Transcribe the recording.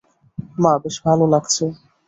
মা, বেশ ভালো লাগছে।